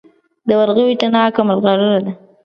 د ورغوي تڼاکه ملغلره ده.